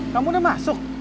kamu udah masuk